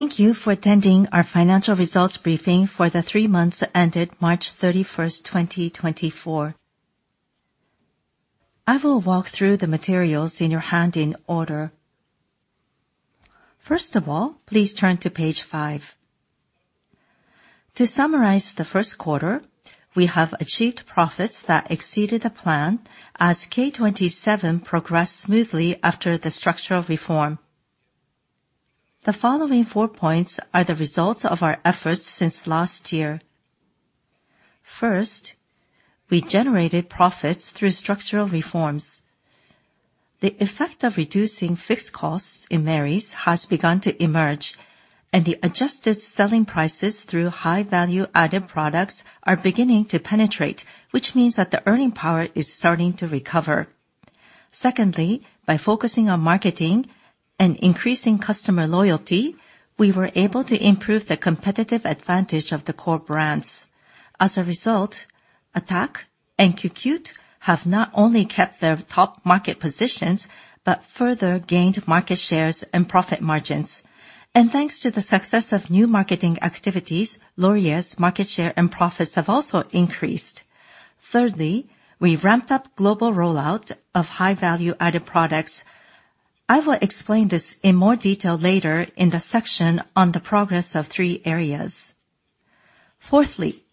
Thank you for attending our financial results briefing for the three months ended March 31, 2024. I will walk through the materials in your hand in order. First of all, please turn to page 5. To summarize the first quarter, we have achieved profits that exceeded the plan as K27 progressed smoothly after the structural reform. The following four points are the results of our efforts since last year. First, we generated profits through structural reforms. The effect of reducing fixed costs in Merries has begun to emerge, and the adjusted selling prices through high-value added products are beginning to penetrate, which means that the earning power is starting to recover. Secondly, by focusing on marketing and increasing customer loyalty, we were able to improve the competitive advantage of the core brands. As a result, Attack and Cucute have not only kept their top market positions but further gained market shares and profit margins. Thanks to the success of new marketing activities, Laurier's market share and profits have also increased. Thirdly, we ramped up global rollout of high-value added products. I will explain this in more detail later in the section on the progress of three areas. Fourthly,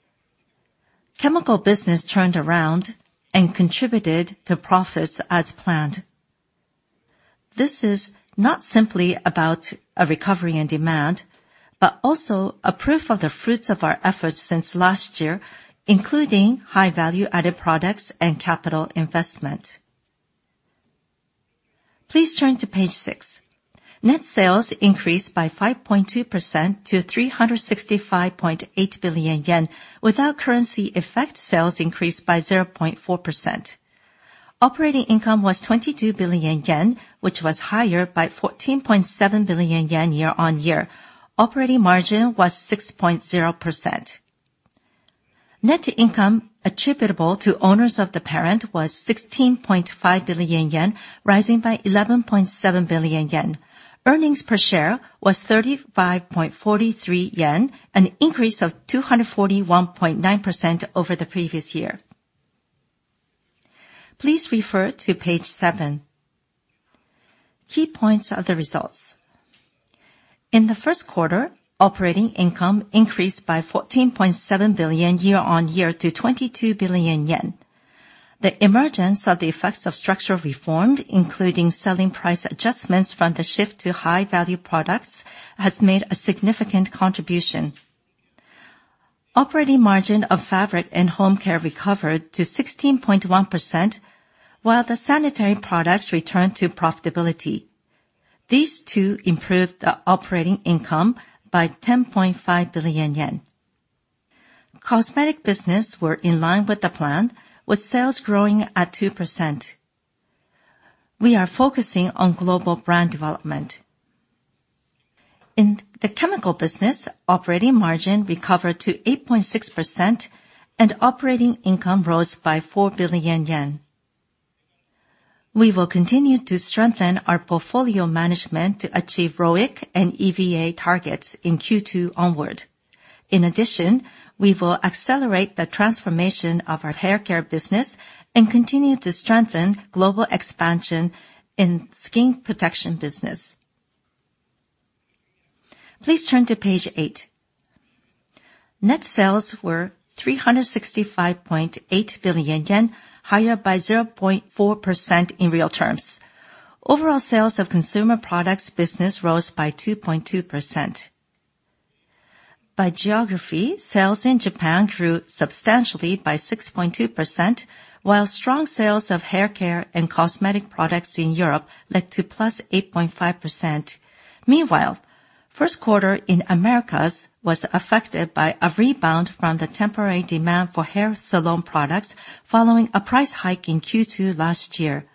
Chemical business turned around and contributed to profits as planned. This is not simply about a recovery in demand but also a proof of the fruits of our efforts since last year, including high-value added products and capital investment. Please turn to page 6. Net sales increased by 5.2% to 365.8 billion yen without currency effect, sales increased by 0.4%. Operating income was 22 billion yen, which was higher by 14.7 billion yen year-on-year. Operating margin was 6.0%. Net income attributable to owners of the parent was 16.5 billion yen, rising by 11.7 billion yen. Earnings per share was 35.43 yen, an increase of 241.9% over the previous year. Please refer to page 7. Key points of the results. In the first quarter, operating income increased by 14.7 billion year-on-year to 22 billion yen. The emergence of the effects of structural reforms, including selling price adjustments from the shift to high-value products, has made a significant contribution. Operating margin of fabric and home care recovered to 16.1%, while the sanitary products returned to profitability. These two improved the operating income by 10.5 billion yen. Cosmetic business were in line with the plan, with sales growing at 2%. We are focusing on global brand development. In the Chemical business, operating margin recovered to 8.6%, and operating income rose by 4 billion yen. We will continue to strengthen our portfolio management to achieve ROIC and EVA targets in Q2 onward. In addition, we will accelerate the transformation of our hair care business and continue to strengthen global expansion in skin protection business. Please turn to page 8. Net sales were 365.8 billion yen, higher by 0.4% in real terms. Overall sales of Consumer Products Business rose by 2.2%. By geography, sales in Japan grew substantially by 6.2%, while strong sales of hair care and cosmetic products in Europe led to +8.5%. Meanwhile, first quarter in Americas was affected by a rebound from the temporary demand for hair salon products following a price hike in Q2 last year.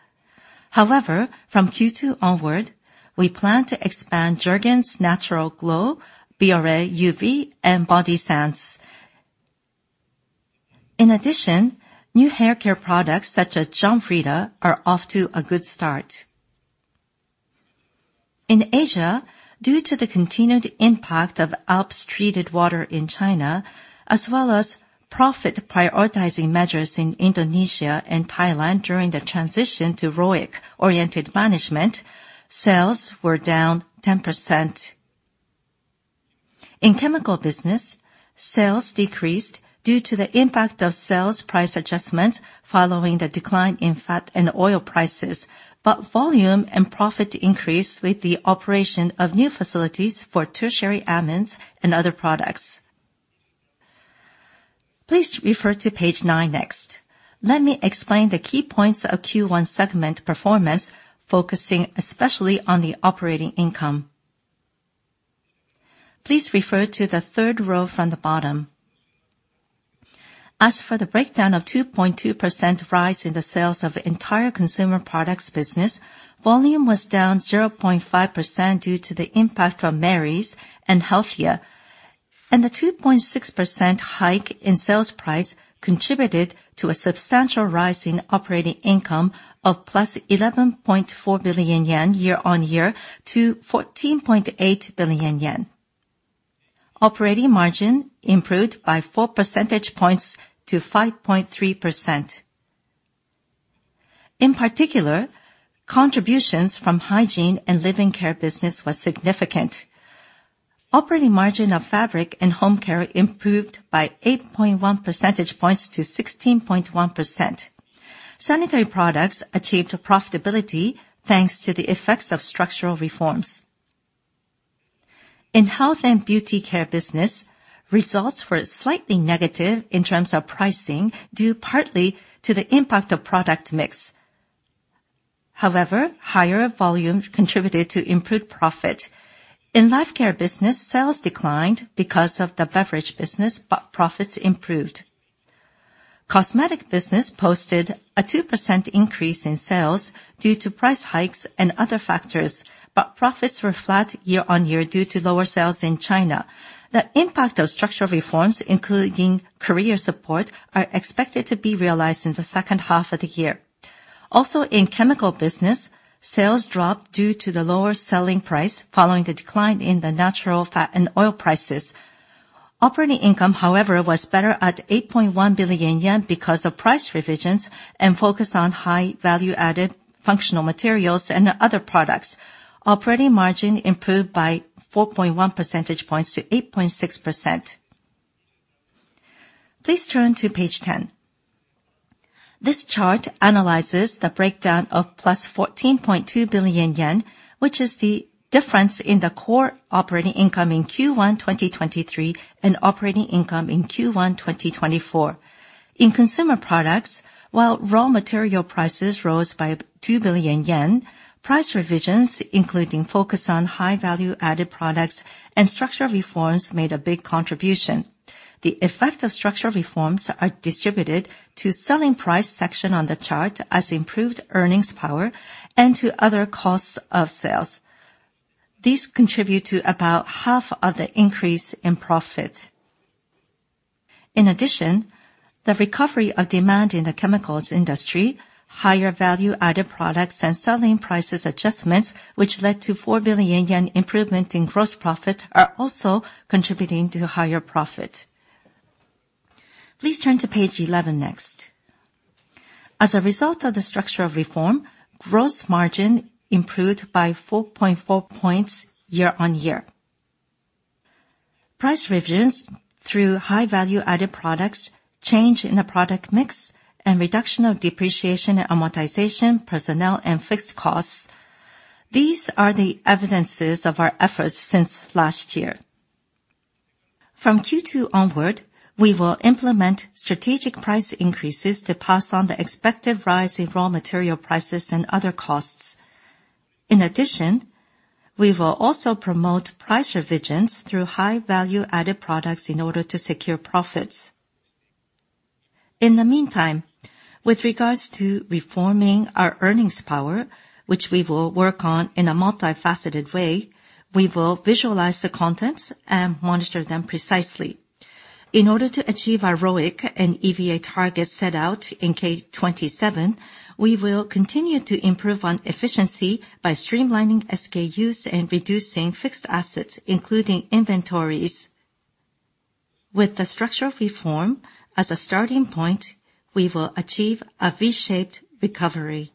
However, from Q2 onward, we plan to expand Jergens Natural Glow, Bioré UV, and Bondi Sands. In addition, new hair care products such as John Frieda are off to a good start. In Asia, due to the continued impact of ALPS treated water in China, as well as profit-prioritizing measures in Indonesia and Thailand during the transition to ROIC-oriented management, sales were down 10%. In Chemical business, sales decreased due to the impact of sales price adjustments following the decline in fat and oil prices, but volume and profit increased with the operation of new facilities for tertiary amines and other products. Please refer to page 9 next. Let me explain the key points of Q1 segment performance, focusing especially on the operating income. Please refer to the third row from the bottom. As for the breakdown of 2.2% rise in the sales of entire Consumer Products Business, volume was down 0.5% due to the impact from Merries and Healthya, and the 2.6% hike in sales price contributed to a substantial rise in operating income of +11.4 billion yen year-on-year to 14.8 billion yen. Operating margin improved by four percentage points to 5.3%. In particular, contributions from Hygiene and Living Care business were significant. Operating margin of fabric and home care improved by 8.1 percentage points to 16.1%. Sanitary products achieved profitability thanks to the effects of structural reforms. In Health and Beauty Care business, results were slightly negative in terms of pricing due partly to the impact of product mix. However, higher volume contributed to improved profit. In Life Care business, sales declined because of the beverage business, but profits improved. Cosmetics business posted a 2% increase in sales due to price hikes and other factors, but profits were flat year-on-year due to lower sales in China. The impact of structural reforms, including career support, are expected to be realized in the second half of the year. Also, in Chemical business, sales dropped due to the lower selling price following the decline in the natural fat and oil prices. Operating income, however, was better at 8.1 billion yen because of price revisions and focus on high-value-added functional materials and other products. Operating margin improved by 4.1 percentage points to 8.6%. Please turn to page 10. This chart analyzes the breakdown of +14.2 billion yen, which is the difference in the core operating income in Q1 2023 and operating income in Q1 2024. In consumer products, while raw material prices rose by 2 billion yen, price revisions, including focus on high-value added products and structural reforms, made a big contribution. The effect of structural reforms are distributed to selling price section on the chart as improved earnings power and to other costs of sales. These contribute to about half of the increase in profit. In addition, the recovery of demand in the chemicals industry, higher value added products, and selling prices adjustments, which led to 4 billion yen improvement in gross profit, are also contributing to higher profit. Please turn to page 11 next. As a result of the structural reform, gross margin improved by 4.4 points year-on-year. Price revisions through high-value added products, change in the product mix, and reduction of depreciation and amortization, personnel, and fixed costs, these are the evidences of our efforts since last year. From Q2 onward, we will implement strategic price increases to pass on the expected rise in raw material prices and other costs. In addition, we will also promote price revisions through high-value added products in order to secure profits. In the meantime, with regards to reforming our earnings power, which we will work on in a multifaceted way, we will visualize the contents and monitor them precisely. In order to achieve our ROIC and EVA targets set out in K27, we will continue to improve on efficiency by streamlining SKUs and reducing fixed assets, including inventories. With the structural reform as a starting point, we will achieve a V-shaped recovery.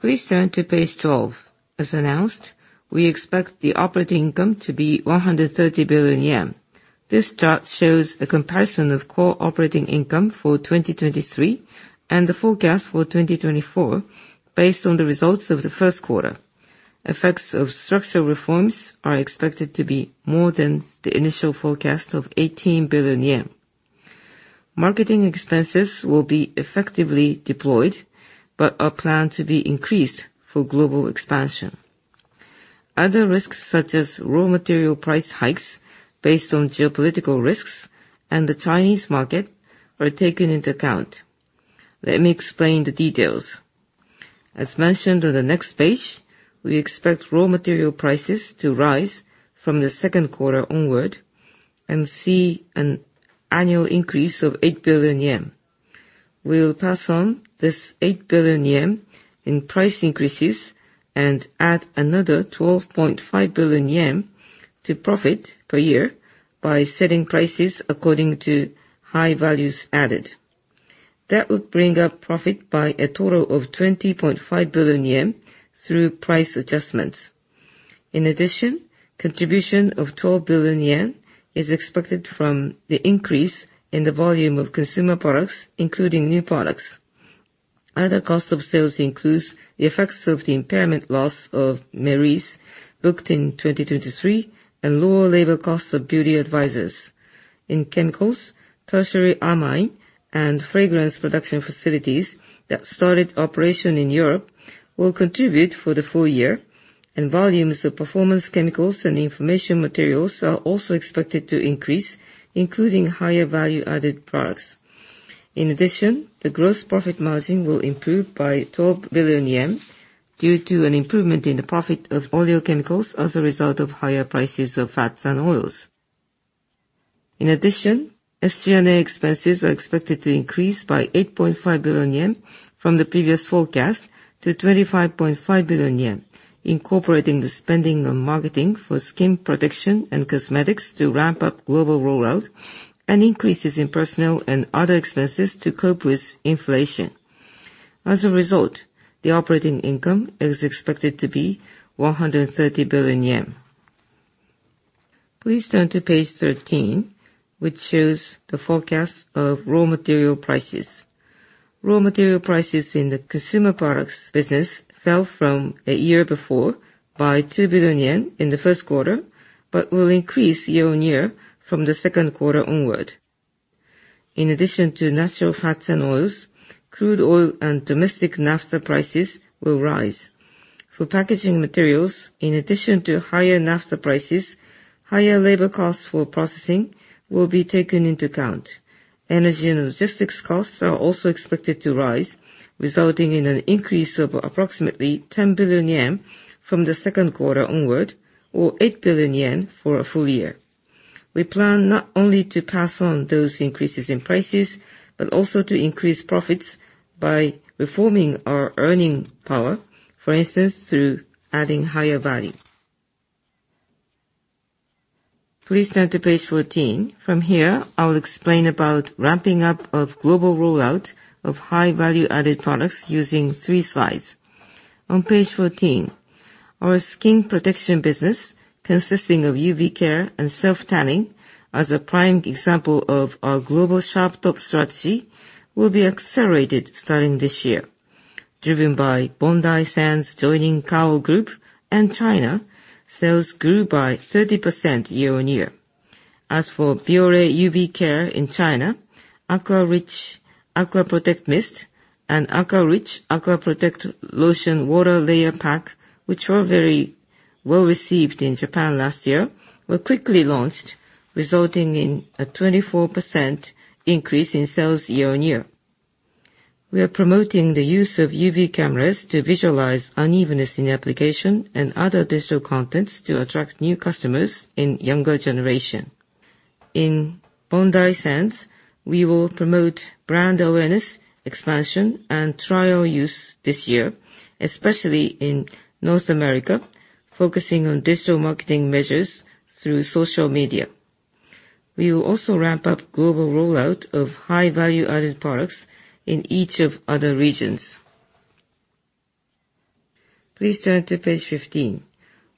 Please turn to page 12. As announced, we expect the operating income to be 130 billion yen. This chart shows a comparison of core operating income for 2023 and the forecast for 2024 based on the results of the first quarter. Effects of structural reforms are expected to be more than the initial forecast of 18 billion yen. Marketing expenses will be effectively deployed but are planned to be increased for global expansion. Other risks, such as raw material price hikes based on geopolitical risks and the Chinese market, are taken into account. Let me explain the details. As mentioned on the next page, we expect raw material prices to rise from the second quarter onward and see an annual increase of 8 billion yen. We'll pass on this 8 billion yen in price increases and add another 12.5 billion yen to profit per year by setting prices according to high values added. That would bring up profit by a total of 20.5 billion yen through price adjustments. In addition, a contribution of 12 billion yen is expected from the increase in the volume of consumer products, including new products. Other costs of sales include the effects of the impairment loss of Merries booked in 2023 and lower labor costs of beauty advisors. In Chemicals, tertiary amine and fragrance production facilities that started operation in Europe will contribute for the full year, and volumes of performance chemicals and information materials are also expected to increase, including higher value added products. In addition, the gross profit margin will improve by 12 billion yen due to an improvement in the profit of oleochemicals as a result of higher prices of fats and oils. In addition, SG&A expenses are expected to increase by 8.5 billion yen from the previous forecast to 25.5 billion yen, incorporating the spending on marketing for skin protection and cosmetics to ramp up global rollout and increases in personnel and other expenses to cope with inflation. As a result, the operating income is expected to be 130 billion yen. Please turn to page 13, which shows the forecast of raw material prices. Raw material prices in the Consumer Products Business fell from a year before by 2 billion yen in the first quarter but will increase year-on-year from the second quarter onward. In addition to natural fats and oils, crude oil and domestic naphtha prices will rise. For packaging materials, in addition to higher naphtha prices, higher labor costs for processing will be taken into account. Energy and logistics costs are also expected to rise, resulting in an increase of approximately 10 billion yen from the second quarter onward or 8 billion yen for a full year. We plan not only to pass on those increases in prices but also to increase profits by reforming our earning power, for instance, through adding higher value. Please turn to page 14. From here, I'll explain about ramping up of global rollout of high-value added products using three slides. On page 14, our skin protection business, consisting of UV Care and self-tanning as a prime example of our global sharp-top strategy, will be accelerated starting this year. Driven by Bondi Sands joining Kao Group and China, sales grew by 30% year-on-year. As for Bioré UV care in China, Aqua Rich Aqua Protect Mist and Aqua Rich Aqua Protect Lotion Water Layer Pack, which were very well received in Japan last year, were quickly launched, resulting in a 24% increase in sales year-on-year. We are promoting the use of UV cameras to visualize unevenness in application and other digital contents to attract new customers in the younger generation. In Bondi Sands, we will promote brand awareness, expansion, and trial use this year, especially in North America, focusing on digital marketing measures through social media. We will also ramp up global rollout of high-value added products in each of the other regions. Please turn to page 15.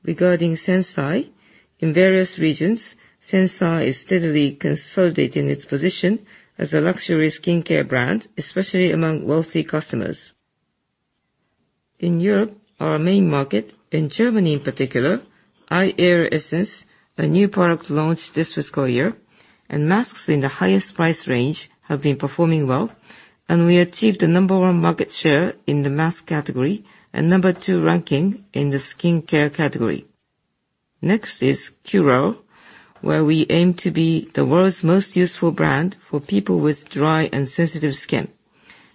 Regarding SENSAI, in various regions, SENSAI is steadily consolidating its position as a luxury skincare brand, especially among wealthy customers. In Europe, our main market, in Germany in particular, high-end essence, a new product launched this fiscal year, and masks in the highest price range have been performing well, and we achieved the number one market share in the mask category and number two ranking in the skincare category. Next is Curél, where we aim to be the world's most useful brand for people with dry and sensitive skin.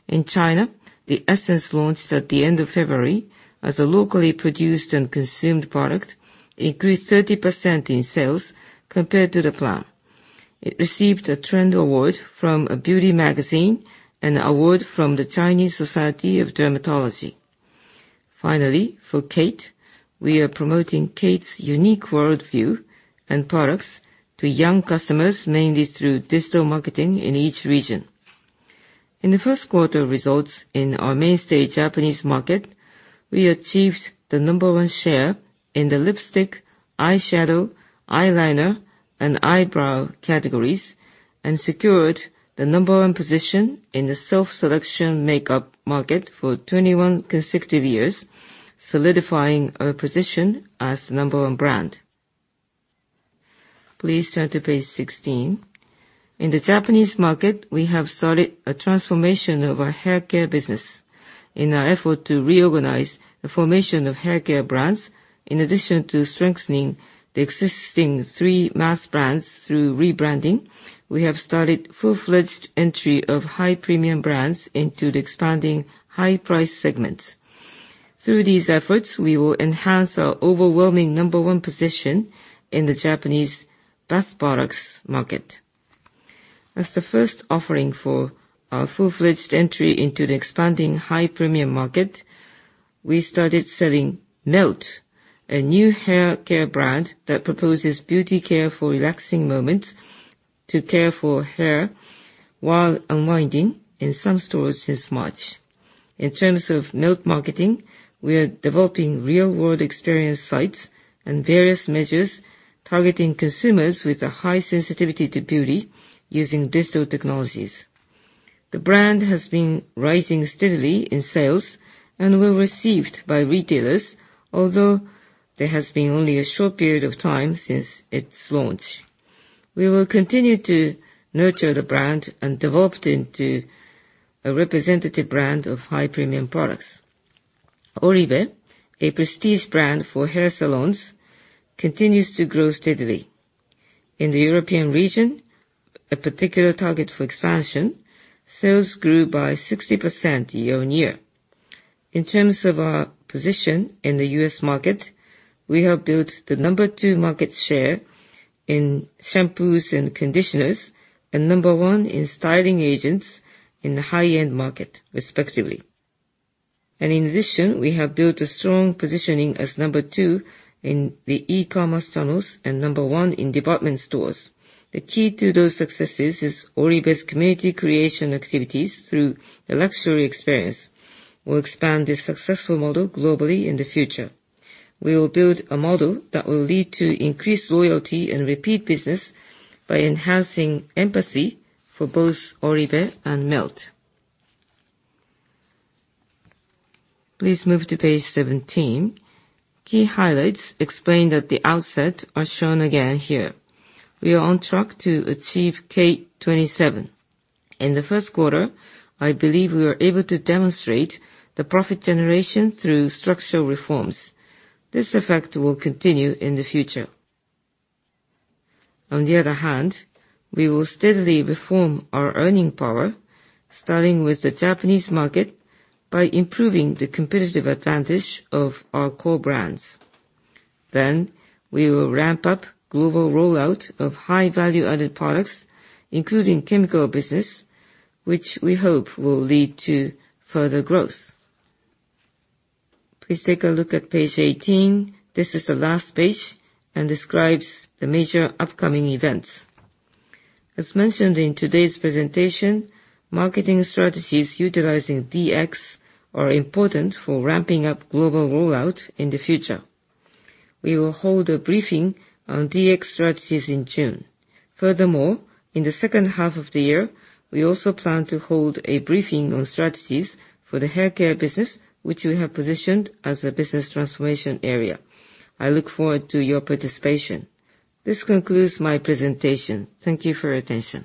In China, the essence launched at the end of February as a locally produced and consumed product increased 30% in sales compared to the plan. It received a Trend Award from a beauty magazine and an award from the Chinese Society of Dermatology. Finally, for KATE, we are promoting KATE's unique worldview and products to young customers, mainly through digital marketing in each region. In the first quarter results in our mainstay Japanese market, we achieved the number one share in the lipstick, eyeshadow, eyeliner, and eyebrow categories and secured the number one position in the self-selection makeup market for 21 consecutive years, solidifying our position as the number one brand. Please turn to page 16. In the Japanese market, we have started a transformation of our hair care business. In our effort to reorganize the formation of hair care brands, in addition to strengthening the existing three mask brands through rebranding, we have started full-fledged entry of high premium brands into the expanding high-price segments. Through these efforts, we will enhance our overwhelming number one position in the Japanese bath products market. As the first offering for our full-fledged entry into the expanding high premium market, we started selling Melt, a new hair care brand that proposes beauty care for relaxing moments to care for hair while unwinding in some stores since March. In terms of Melt marketing, we are developing real-world experience sites and various measures targeting consumers with a high sensitivity to beauty using digital technologies. The brand has been rising steadily in sales and well received by retailers, although there has been only a short period of time since its launch. We will continue to nurture the brand and develop it into a representative brand of high premium products. Oribe, a prestige brand for hair salons, continues to grow steadily. In the European region, a particular target for expansion, sales grew by 60% year-on-year. In terms of our position in the U.S. market, we have built the number 2 market share in shampoos and conditioners and number 1 in styling agents in the high-end market, respectively. And in addition, we have built a strong positioning as number 2 in the e-commerce channels and number 1 in department stores. The key to those successes is Oribe's community creation activities through the luxury experience. We'll expand this successful model globally in the future. We will build a model that will lead to increased loyalty and repeat business by enhancing empathy for both Oribe and Melt. Please move to page 17. Key highlights explained at the outset are shown again here. We are on track to achieve K27. In the first quarter, I believe we were able to demonstrate the profit generation through structural reforms. This effect will continue in the future. On the other hand, we will steadily reform our earning power, starting with the Japanese market by improving the competitive advantage of our core brands. Then, we will ramp up global rollout of high-value added products, including Chemical business, which we hope will lead to further growth. Please take a look at page 18. This is the last page and describes the major upcoming events. As mentioned in today's presentation, marketing strategies utilizing DX are important for ramping up global rollout in the future. We will hold a briefing on DX strategies in June. Furthermore, in the second half of the year, we also plan to hold a briefing on strategies for the hair care business, which we have positioned as a business transformation area. I look forward to your participation. This concludes my presentation. Thank you for your attention.